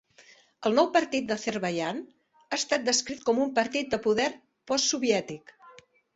El nou partit de l'Azerbaidjan ha estat descrit com un partit de poder postsoviètic.